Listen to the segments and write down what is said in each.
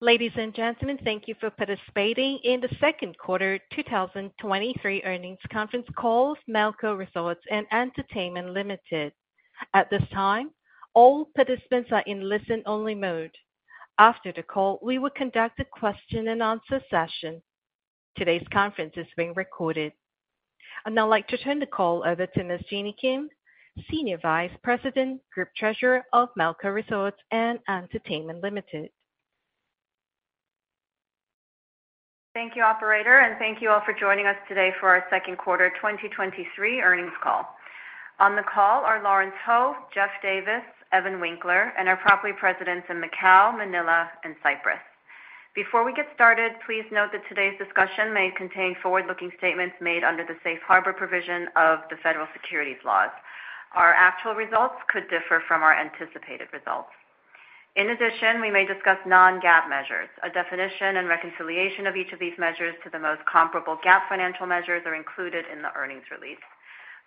Ladies and gentlemen, thank you for participating in the Second Quarter 2023 Earnings Conference Call of Melco Resorts & Entertainment Limited. At this time, all participants are in listen-only mode. After the call, we will conduct a question-and-answer session. Today's conference is being recorded. I'd now like to turn the call over to Ms. Jeanny Kim, Senior Vice President, Group Treasurer of Melco Resorts & Entertainment Limited. Thank you, operator, thank you all for joining us today for our Second Quarter 2023 Earnings Call. On the call are Lawrence Ho, Geoff Davis, Evan Winkler, and our property presidents in Macau, Manila, and Cyprus. Before we get started, please note that today's discussion may contain forward-looking statements made under the safe harbor provision of the federal securities laws. Our actual results could differ from our anticipated results. In addition, we may discuss non-GAAP measures. A definition and reconciliation of each of these measures to the most comparable GAAP financial measures are included in the earnings release.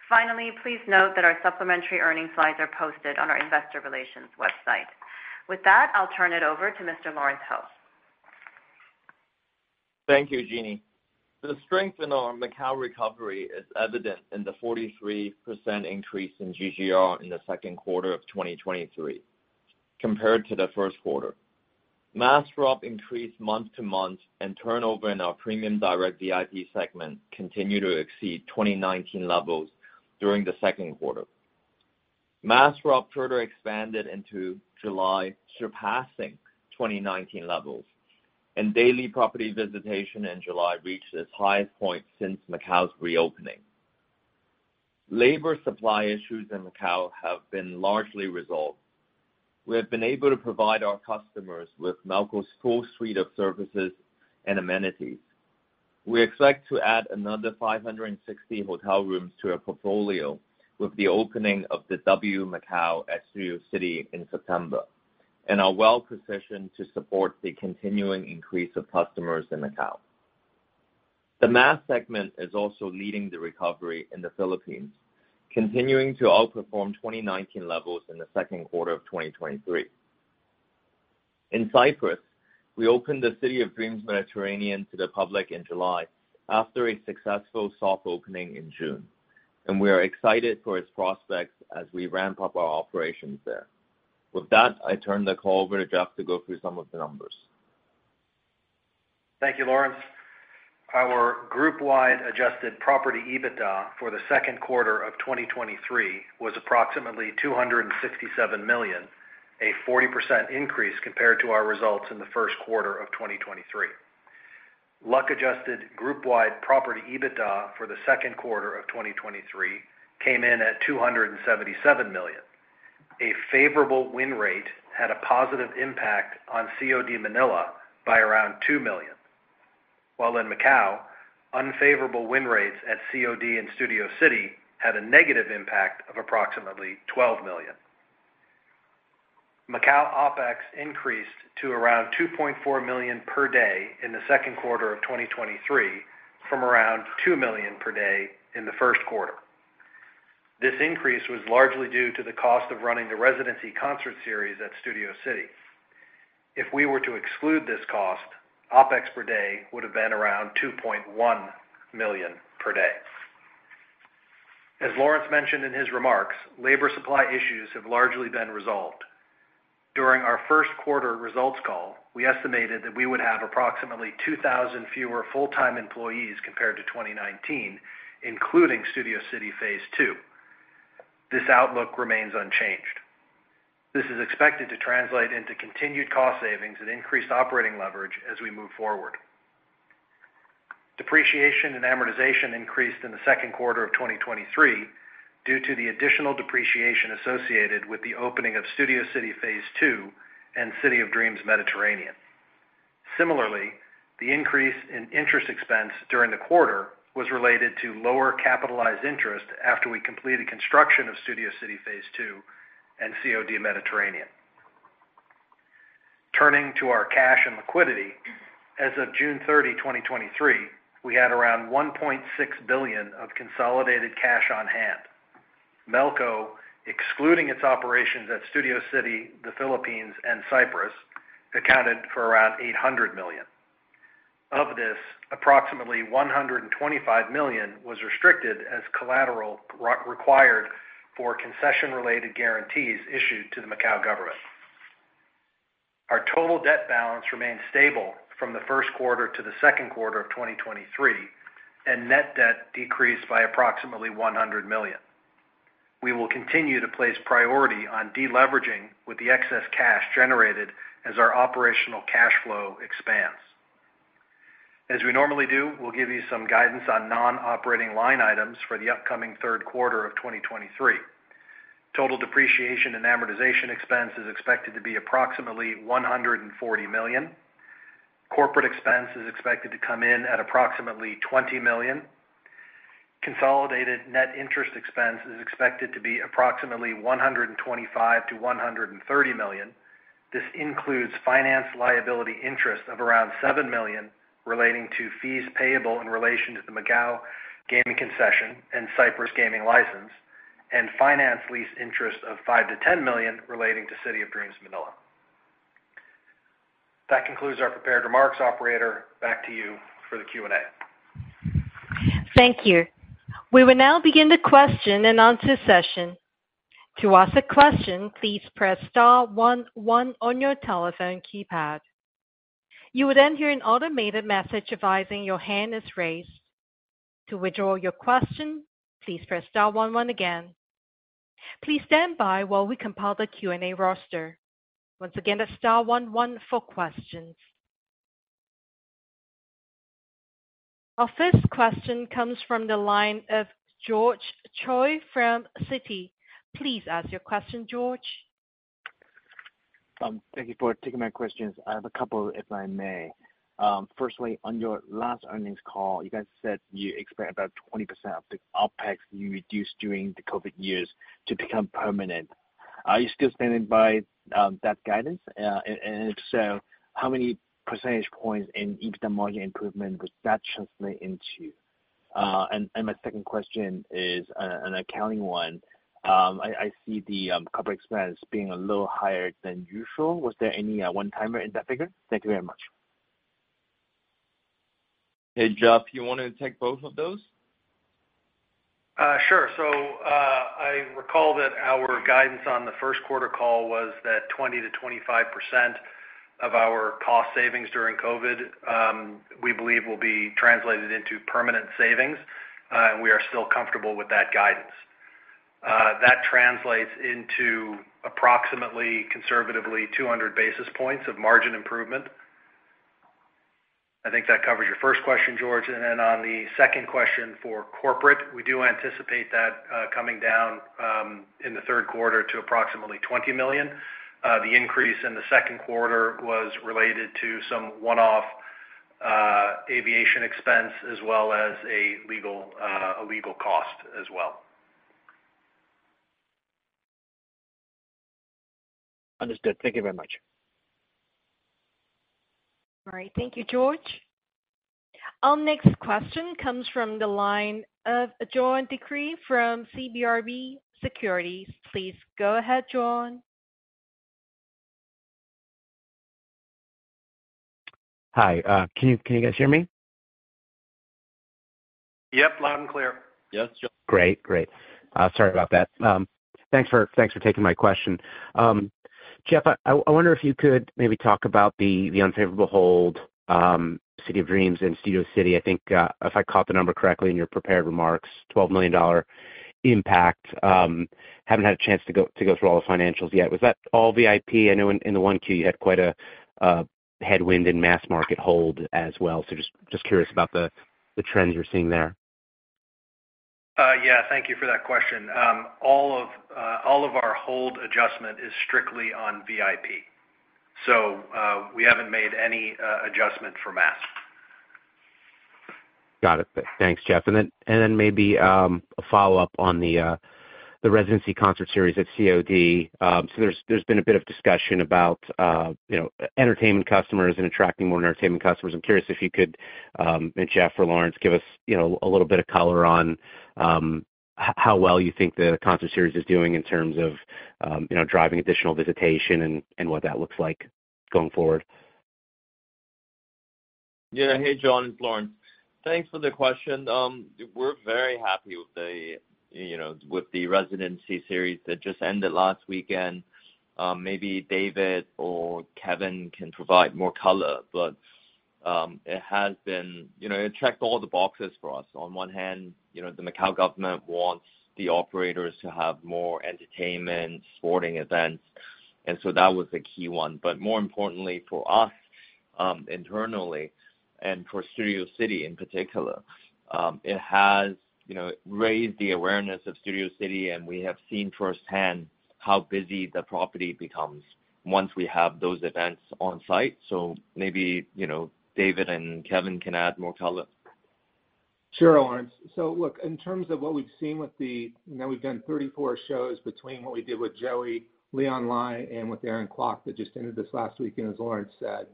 Finally, please note that our supplementary earnings slides are posted on our investor relations website. With that, I'll turn it over to Mr. Lawrence Ho. Thank you, Jeanny. The strength in our Macau recovery is evident in the 43% increase in GGR in the second quarter of 2023 compared to the first quarter. Mass drop increased month-to-month, and turnover in our premium direct VIP segment continued to exceed 2019 levels during the second quarter. Mass drop further expanded into July, surpassing 2019 levels, and daily property visitation in July reached its highest point since Macau's reopening. Labor supply issues in Macau have been largely resolved. We have been able to provide our customers with Melco's full suite of services and amenities. We expect to add another 560 hotel rooms to our portfolio with the opening of the W Macau at Studio City in September, and are well-positioned to support the continuing increase of customers in Macau. The mass segment is also leading the recovery in the Philippines, continuing to outperform 2019 levels in the second quarter of 2023. In Cyprus, we opened the City of Dreams Mediterranean to the public in July after a successful soft opening in June, and we are excited for its prospects as we ramp up our operations there. With that, I turn the call over to Geoff to go through some of the numbers. Thank you, Lawrence. Our group-wide adjusted property EBITDA for the second quarter of 2023 was approximately $267 million, a 40% increase compared to our results in the first quarter of 2023. Luck-adjusted group-wide property EBITDA for the second quarter of 2023 came in at $277 million. A favorable win rate had a positive impact on COD Manila by around $2 million, while in Macau, unfavorable win rates at COD and Studio City had a negative impact of approximately $12 million. Macau OpEx increased to around $2.4 million per day in the second quarter of 2023 from around $2 million per day in the first quarter. This increase was largely due to the cost of running the residency concert series at Studio City. If we were to exclude this cost, OpEx per day would have been around $2.1 million per day. As Lawrence mentioned in his remarks, labor supply issues have largely been resolved. During our first quarter results call, we estimated that we would have approximately 2,000 fewer full-time employees compared to 2019, including Studio City Phase 2. This outlook remains unchanged. This is expected to translate into continued cost savings and increased operating leverage as we move forward. Depreciation and amortization increased in the second quarter of 2023 due to the additional depreciation associated with the opening of Studio City Phase 2 and City of Dreams Mediterranean. Similarly, the increase in interest expense during the quarter was related to lower capitalized interest after we completed construction of Studio City Phase 2 and COD Mediterranean. Turning to our cash and liquidity. As of June 30, 2023, we had around $1.6 billion of consolidated cash on hand. Melco, excluding its operations at Studio City, the Philippines, and Cyprus, accounted for around $800 million. Of this, approximately $125 million was restricted as collateral required for concession-related guarantees issued to the Macau government. Our total debt balance remained stable from the first quarter to the second quarter of 2023, and net debt decreased by approximately $100 million. We will continue to place priority on deleveraging with the excess cash generated as our operational cash flow expands. As we normally do, we'll give you some guidance on non-operating line items for the upcoming third quarter of 2023. Total depreciation and amortization expense is expected to be approximately $140 million. Corporate expense is expected to come in at approximately $20 million. Consolidated net interest expense is expected to be approximately $125 million-$130 million. This includes finance liability interest of around $7 million, relating to fees payable in relation to the Macau gaming concession and Cyprus gaming license. And finance lease interest of $5 million-$10 million relating to City of Dreams Manila. That concludes our prepared remarks. Operator, back to you for the Q&A. Thank you. We will now begin the question and answer session. To ask a question, please press star one one on your telephone keypad. You will then hear an automated message advising your hand is raised. To withdraw your question, please press star one one again. Please stand by while we compile the Q&A roster. Once again, that's star one one for questions. Our first question comes from the line of George Choi from Citi. Please ask your question, George. Thank you for taking my questions. I have a couple, if I may. Firstly, on your last earnings call, you guys said you expect about 20% of the OpEx you reduced during the COVID years to become permanent. Are you still standing by that guidance? If so, how many percentage points in EBITDA margin improvement would that translate into? My second question is an accounting one. I see the corporate expense being a little higher than usual. Was there any one-timer in that figure? Thank you very much. Hey, Geoff, you want to take both of those? Sure. I recall that our guidance on the first quarter call was that 20%-25% of our cost savings during COVID, we believe will be translated into permanent savings, and we are still comfortable with that guidance. That translates into approximately conservatively 200 basis points of margin improvement. I think that covers your first question, George. On the second question for corporate, we do anticipate that coming down in the third quarter to approximately $20 million. The increase in the second quarter was related to some one-off aviation expense as well as a legal, a legal cost as well. Understood. Thank you very much. All right. Thank you, George. Our next question comes from the line of John DeCree from CBRE Securities. Please go ahead, John. Hi. Can you, can you guys hear me? Yep, loud and clear. Yes. Great. Great. Sorry about that. Thanks for, thanks for taking my question. Geoff, I wonder if you could maybe talk about the, the unfavorable hold, City of Dreams and Studio City. I think, if I caught the number correctly in your prepared remarks, $12 million impact. Haven't had a chance to go through all the financials yet. Was that all VIP? I know in, in the 1Q, you had quite a, a headwind in mass market hold as well. Just, just curious about the, the trends you're seeing there. Yeah, thank you for that question. All of our hold adjustment is strictly on VIP, so we haven't made any adjustment for mass. Got it. Thanks, Geoff. Then, and then maybe, a follow-up on the residency concert series at COD. There's, there's been a bit of discussion about, you know, entertainment customers and attracting more entertainment customers. I'm curious if you could, and Geoff or Lawrence, give us, you know, a little bit of color on how, how well you think the concert series is doing in terms of, you know, driving additional visitation and what that looks like going forward? Yeah. Hey, John, it's Lawrence. Thanks for the question. We're very happy with the, you know, with the residency series that just ended last weekend. Maybe David or Kevin can provide more color, but it has been. You know, it checked all the boxes for us. On one hand, you know, the Macau government wants the operators to have more entertainment, sporting events, and so that was a key one. More importantly for us, internally and for Studio City in particular, it has, you know, raised the awareness of Studio City, and we have seen firsthand how busy the property becomes once we have those events on site. Maybe, you know, David and Kevin can add more color. Sure, Lawrence. Look, in terms of what we've seen with the, you know, we've done 34 shows between what we did with Joey, Leon Lai, and with Aaron Kwok, that just ended this last weekend, as Lawrence said.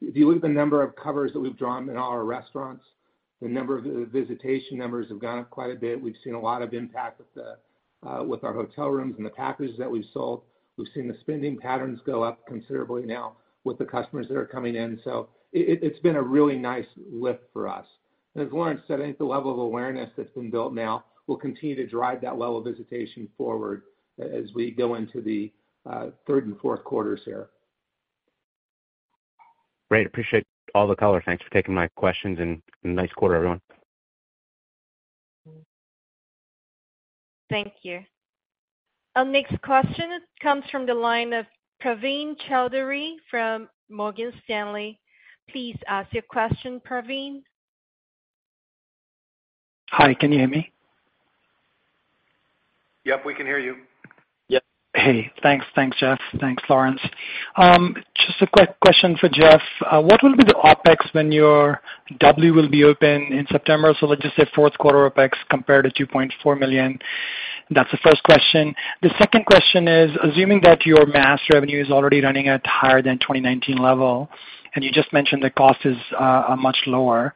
If you look at the number of covers that we've drawn in our restaurants, the number of, the visitation numbers have gone up quite a bit. We've seen a lot of impact with the, with our hotel rooms and the packages that we've sold. We've seen the spending patterns go up considerably now with the customers that are coming in. It, it, it's been a really nice lift for us. As Lawrence said, I think the level of awareness that's been built now will continue to drive that level of visitation forward as we go into the, third and fourth quarters here. Great. Appreciate all the color. Thanks for taking my questions and nice quarter, everyone. Thank you. Our next question comes from the line of Praveen Choudhary from Morgan Stanley. Please ask your question, Praveen. Hi, can you hear me? Yep, we can hear you. Yep. Hey, thanks. Thanks, Geoff. Thanks, Lawrence. Just a quick question for Geoff. What will be the OpEx when your W will be open in September? Let's just say fourth quarter OpEx compared to $2.4 million. That's the first question. The second question is, assuming that your mass revenue is already running at higher than 2019 level, and you just mentioned the cost is are much lower,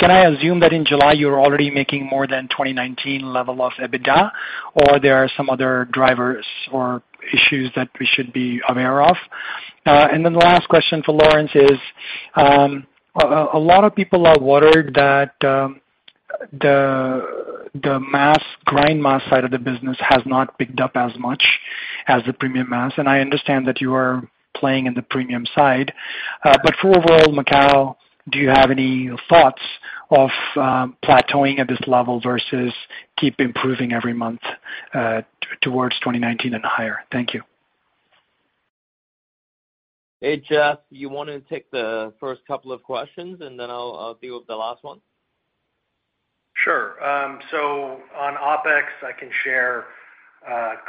Can I assume that in July you're already making more than 2019 level of EBITDA, or there are some other drivers or issues that we should be aware of? The last question for Lawrence is, a lot of people are worried that the mass, grind mass side of the business has not picked up as much as the premium mass, and I understand that you are playing in the premium side. For overall Macau, do you have any thoughts of plateauing at this level versus keep improving every month towards 2019 and higher? Thank you. Hey, Geoff, you want to take the first couple of questions, and then I'll deal with the last one? Sure. On OpEx, I can share,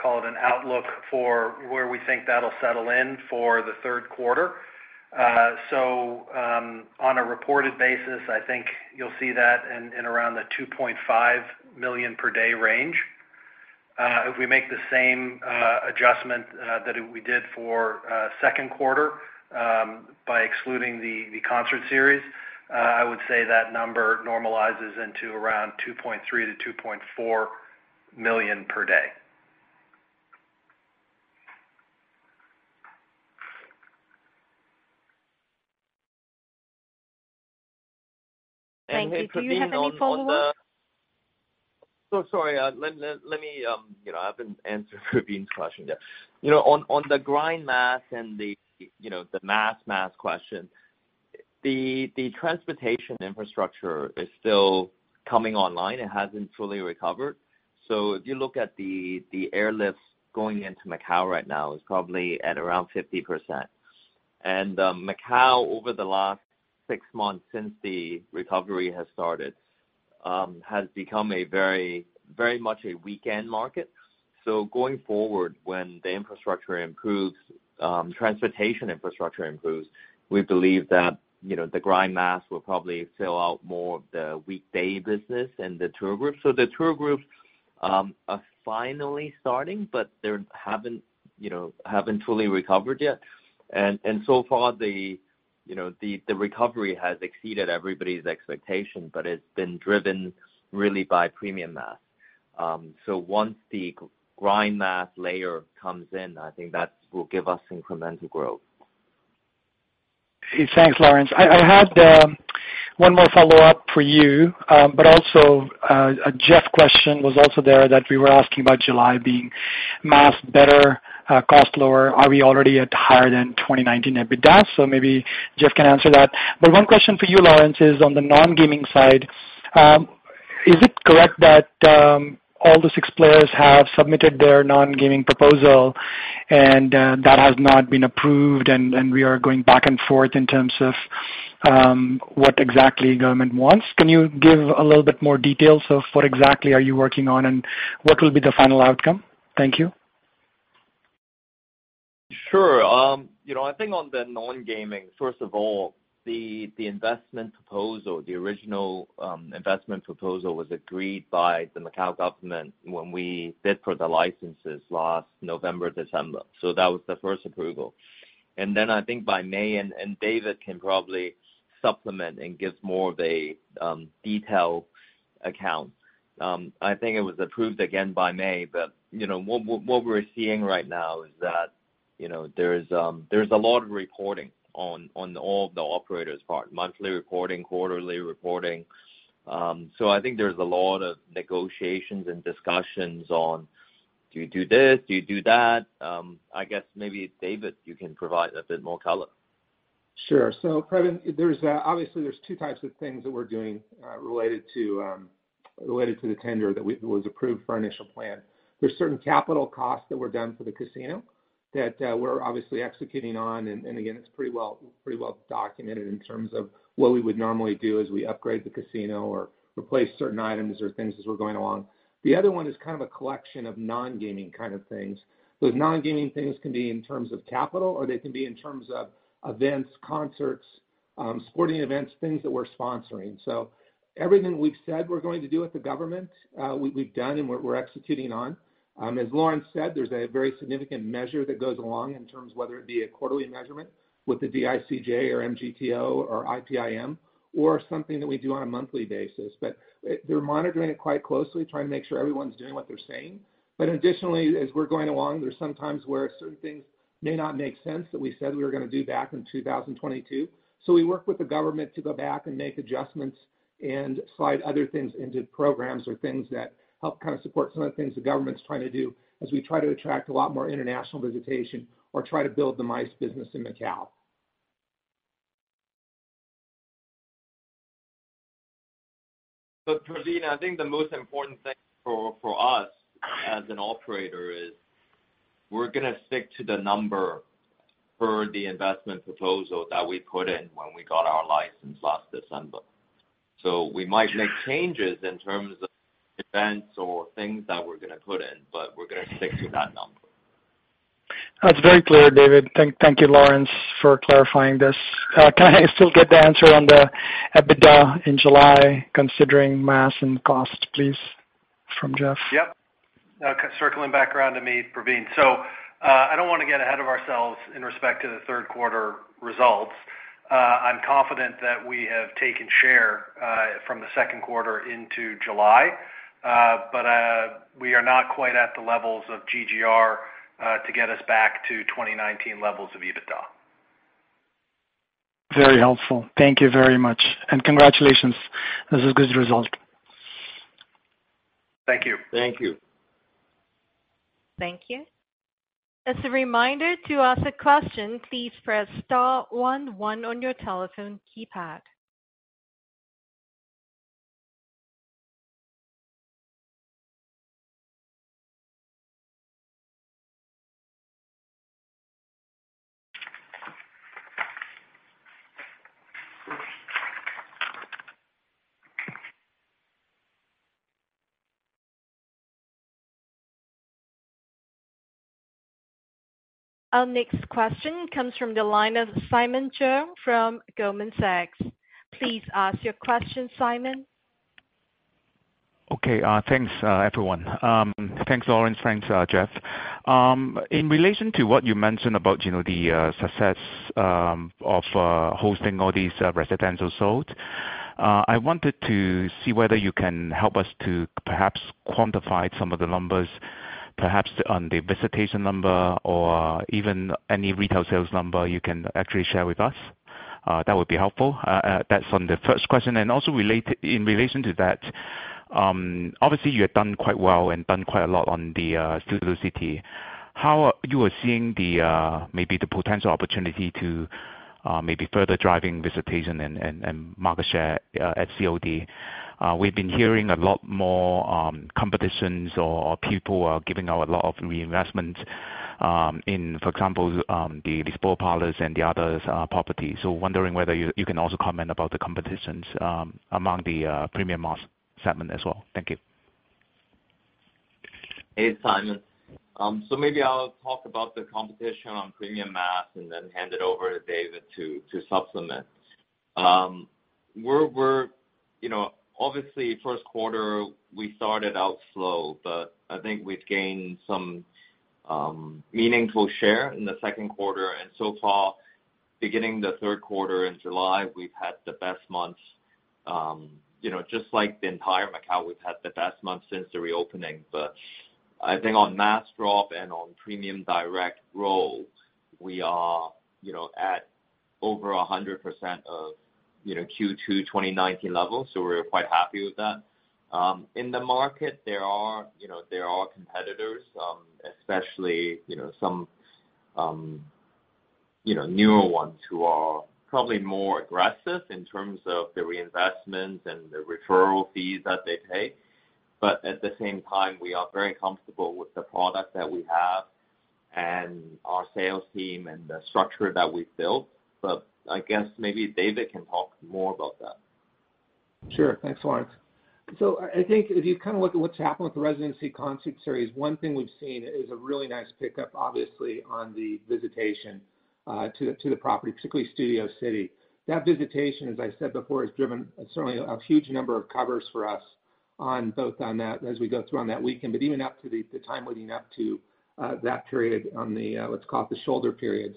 call it an outlook for where we think that'll settle in for the third quarter. On a reported basis, I think you'll see that in around the $2.5 million per day range. If we make the same adjustment that we did for second quarter, by excluding the concert series, I would say that number normalizes into around $2.3 million-$2.4 million per day. Thank you. Do you have any follow up? Sorry, let me, you know, I've been answering Praveen's question. You know, on, on the grind mass and the, you know, the mass, mass question, the, the transportation infrastructure is still coming online. It hasn't fully recovered. If you look at the, the airlifts going into Macau right now, is probably at around 50%. Macau, over the last six months since the recovery has started, has become a very much a weekend market. Going forward, when the infrastructure improves, transportation infrastructure improves, we believe that, you know, the grind mass will probably fill out more of the weekday business and the tour groups. The tour groups, are finally starting, but they haven't, you know, haven't fully recovered yet. So far the, you know, the, the recovery has exceeded everybody's expectation, but it's been driven really by premium mass. Once the grind mass layer comes in, I think that will give us incremental growth. Thanks, Lawrence. I had one more follow-up for you, but also a Geoff question was also there that we were asking about July being mass better, cost lower. Are we already at higher than 2019 EBITDA? Maybe Geoff can answer that. One question for you, Lawrence, is on the non-gaming side. Is it correct that all the 6 players have submitted their non-gaming proposal, and that has not been approved, and we are going back and forth in terms of what exactly government wants? Can you give a little bit more details of what exactly are you working on, and what will be the final outcome? Thank you. Sure. You know, I think on the non-gaming, first of all, the, the investment proposal, the original, investment proposal, was agreed by the Macau government when we bid for the licenses last November, December. That was the first approval. Then I think by May, and, David can probably supplement and give more of a, detailed account. I think it was approved again by May, but, you know, what, what, what we're seeing right now is that, you know, there's, there's a lot of reporting on, on all the operators part, monthly reporting, quarterly reporting. I think there's a lot of negotiations and discussions on, do you do this? Do you do that? I guess maybe, David, you can provide a bit more color. Sure. Praveen, there's obviously two types of things that we're doing related to related to the tender that was approved for our initial plan. There's certain capital costs that were done for the casino that we're obviously executing on, and again, it's pretty well, pretty well documented in terms of what we would normally do as we upgrade the casino or replace certain items or things as we're going along. The other one is kind of a collection of non-gaming kind of things. Those non-gaming things can be in terms of capital, or they can be in terms of events, concerts, sporting events, things that we're sponsoring. Everything we've said we're going to do with the government, we've done and we're, we're executing on. As Lawrence said, there's a very significant measure that goes along in terms of whether it be a quarterly measurement with the DICJ or MGTO or IPIM, or something that we do on a monthly basis. Additionally, as we're going along, there's some times where certain things may not make sense that we said we were gonna do back in 2022. We work with the government to go back and make adjustments and slide other things into programs or things that help kind of support some of the things the government's trying to do as we try to attract a lot more international visitation or try to build the MICE business in Macau. Praveen, I think the most important thing for us as an operator is, we're gonna stick to the number per the investment proposal that we put in when we got our license last December. We might make changes in terms of events or things that we're gonna put in, but we're gonna stick to that number. That's very clear, David. Thank you, Lawrence, for clarifying this. Can I still get the answer on the EBITDA in July, considering mass and cost, please? From Geoff? Yep. Circling back around to me, Praveen. I don't want to get ahead of ourselves in respect to the third quarter results. I'm confident that we have taken share from the second quarter into July. We are not quite at the levels of GGR to get us back to 2019 levels of EBITDA. Very helpful. Thank you very much. Congratulations. This is good result. Thank you. Thank you. Thank you. As a reminder, to ask a question, please press star one one on your telephone keypad. Our next question comes from the line of Simon Cheung from Goldman Sachs. Please ask your question, Simon. Okay, thanks, everyone. Thanks, Lawrence. Thanks, Geoff. In relation to what you mentioned about, you know, the success of hosting all these residency shows, I wanted to see whether you can help us to perhaps quantify some of the numbers, perhaps on the visitation number or even any retail sales number you can actually share with us. That would be helpful. That's on the first question. Also in relation to that, obviously, you have done quite well and done quite a lot on the Studio City. How you are seeing the maybe the potential opportunity to maybe further driving visitation and, and, and market share at COD? We've been hearing a lot more, competitions or people are giving out a lot of reinvestment, in, for example, the, the slot parlors and the others, properties. Wondering whether you, you can also comment about the competitions, among the, premium mass segment as well? Thank you. Hey, Simon. So maybe I'll talk about the competition on premium mass and then hand it over to David to, to supplement. We're, we're, you know, obviously, first quarter, we started out slow, but I think we've gained some meaningful share in the second quarter. So far, beginning the third quarter in July, we've had the best months, you know, just like the entire Macau, we've had the best months since the reopening. I think on mass drop and on premium direct roles, we are, you know, at over 100% of, you know, Q2, 2019 levels, so we're quite happy with that. In the market, there are, you know, there are competitors, especially, you know, some, you know, newer ones who are probably more aggressive in terms of the reinvestment and the referral fees that they pay. At the same time, we are very comfortable with the product that we have and our sales team and the structure that we've built. I guess maybe David can talk more about that. Sure. Thanks, Lawrence. I think if you kind of look at what's happened with the residency concert series, one thing we've seen is a really nice pickup, obviously, on the visitation to the property, particularly Studio City. That visitation, as I said before, is driven certainly a huge number of covers for us on both on that as we go through on that weekend, but even up to the, the time leading up to, that period on the, let's call it, the shoulder periods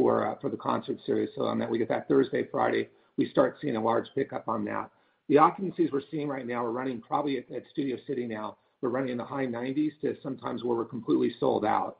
for, for the concert series. On that, we get that Thursday, Friday, we start seeing a large pickup on that. The occupancies we're seeing right now are running probably at Studio City now, we're running in the high 90s to sometimes where we're completely sold out.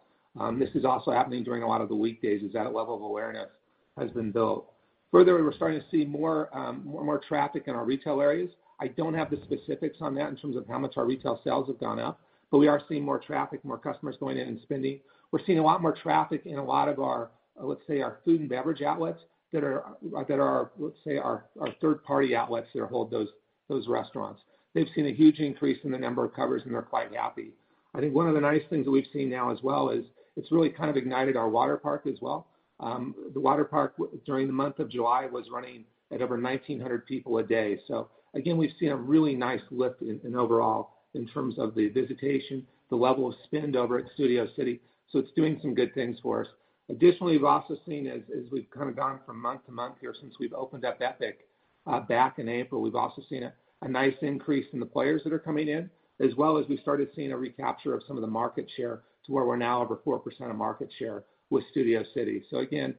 This is also happening during a lot of the weekdays, as that level of awareness has been built. Further, we're starting to see more, more, more traffic in our retail areas. I don't have the specifics on that in terms of how much our retail sales have gone up, but we are seeing more traffic, more customers going in and spending. We're seeing a lot more traffic in a lot of our, let's say, our food and beverage outlets that are, that are, let's say, our third-party outlets that hold those, those restaurants. They've seen a huge increase in the number of covers, and they're quite happy. I think one of the nice things that we've seen now as well is it's really kind of ignited our waterpark as well. The waterpark during the month of July, was running at over 1,900 people a day. Again, we've seen a really nice lift in, in overall in terms of the visitation, the level of spend over at Studio City, so it's doing some good things for us. Additionally, we've also seen as, as we've kind of gone from month to month here since we've opened up Epic, back in April, we've also seen a nice increase in the players that are coming in, as well as we started seeing a recapture of some of the market share to where we're now over 4% of market share with Studio City. Again,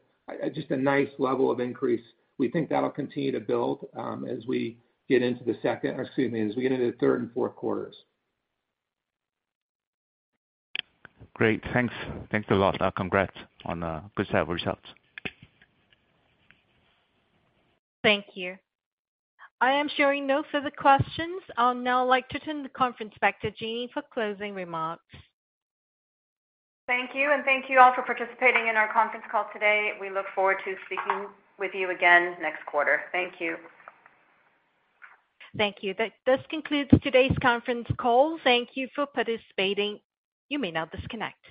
just a nice level of increase. We think that'll continue to build, as we get into the second or excuse me, as we get into the third and fourth quarters. Great. Thanks. Thanks a lot. congrats on, good set of results. Thank you. I am showing no further questions. I'll now like to turn the conference back to Jeanny for closing remarks. Thank you. Thank you all for participating in our conference call today. We look forward to speaking with you again next quarter. Thank you. Thank you. This concludes today's conference call. Thank you for participating. You may now disconnect.